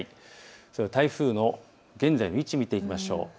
それでは台風の現在の位置を見ていきましょう。